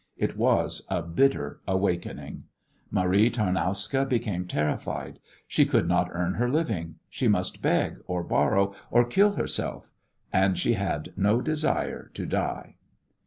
It was a bitter awakening. Marie Tarnowska became terrified. She could not earn her living; she must beg or borrow, or kill herself; and she had no desire to die.